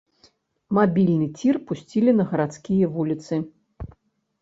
Мабільны цір пусцілі на гарадскія вуліцы.